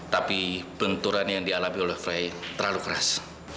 tapi benturan yang dialami oleh frey terlalu keras